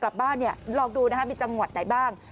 กลับบ้านเนี่ยลองดูนะฮะมีจังหวัดไหนบ้าง